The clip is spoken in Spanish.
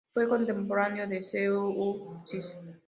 Fue contemporáneo de Zeuxis.